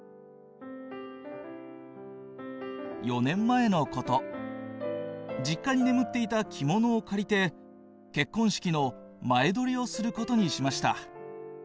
「４年前のこと、実家に眠っていた着物を借りて、結婚式の前撮りをすることにしました。